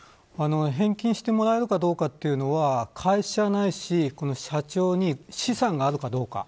返金してもらえるかどうかというのは会社ないし社長に資産があるかどうか。